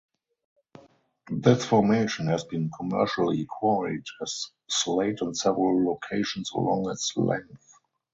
This formation has been commercially quarried as slate in several locations along its length.